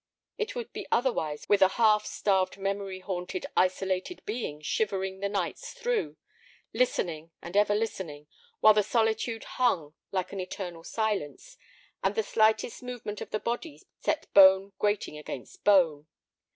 It would be otherwise with a half starved, memory haunted, isolated being shivering the nights through, listening and ever listening, while the solitude hung like an eternal silence, and the slightest movement of the body set bone grating against bone.